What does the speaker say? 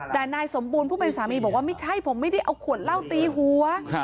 แต่นายสมบูรณ์ผู้เป็นสามีบอกว่าไม่ใช่ผมไม่ได้เอาขวดเหล้าตีหัว